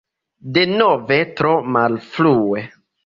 Denove tro malfrue.